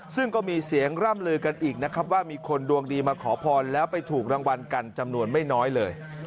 ซึ่งก็มีเสียงร่ำลือกันอีกนะครับว่ามีคนดวงดีมาขอพรแล้วไปถูกรางวัลกันจำนวนไม่น้อยเลย